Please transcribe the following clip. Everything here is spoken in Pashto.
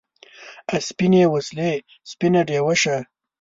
آ سپینې سولې سپینه ډیوه شه